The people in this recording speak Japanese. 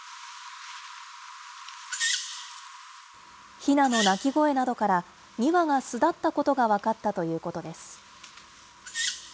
ひなの鳴き声などから、２羽が巣立ったことが分かったということです。